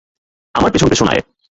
আমার পেছন পেছন আয়!